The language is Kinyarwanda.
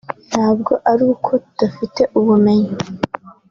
ntabwo ari uko tudafite ubumenyi